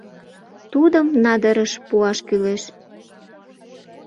Тудым надырыш пуаш кӱлеш.